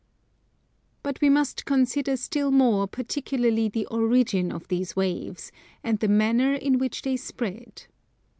But we must consider still more particularly the origin of these waves, and the manner in which they spread.